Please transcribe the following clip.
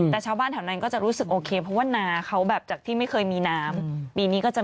แต่ชาวบ้านแถวนั้นก็จะรู้สึกโอเคเพราะว่านาเขาแบบจากที่ไม่เคยมีน้ำปีนี้ก็จะ